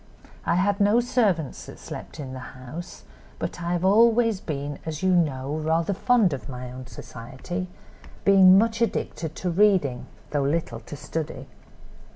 I had no servants that slept in the house, but I have always been, as you know, rather fond of my own society, being much addicted to reading, though little to study.